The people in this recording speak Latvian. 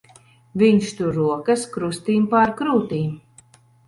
Viņš tur rokas krustīm pār krūtīm.